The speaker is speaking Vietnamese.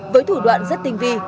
với thủ đoạn rất tinh vi